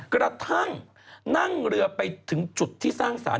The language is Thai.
กระทั่งนั่งเรือไปถึงจุดที่สร้างสาร